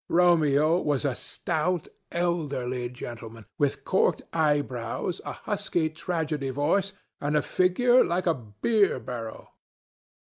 Romeo was a stout elderly gentleman, with corked eyebrows, a husky tragedy voice, and a figure like a beer barrel.